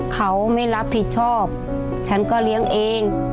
เขาไม่รับผิดชอบฉันก็เลี้ยงเอง